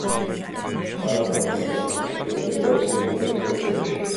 არაფარდი პარკხვევია გავრცელებულია მთელ მსოფლიოში.